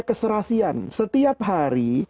keserasian setiap hari